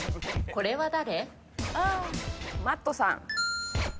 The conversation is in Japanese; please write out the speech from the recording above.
これは誰？